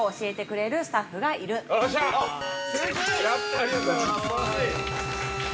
ありがとうございます。